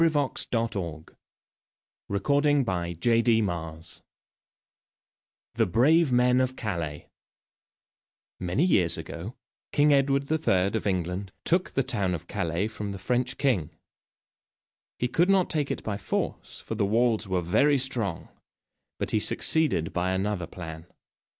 '" [Illustration: CANUTE ORDERS THE TIDE TO STOP] =The Brave Men of Calais= Many years ago, King Edward III of England took the town of Calais from the French king. He could not take it by force, for the walls were very strong, but he succeeded by another plan.